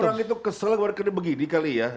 mungkin orang itu kesel karena begini kali ya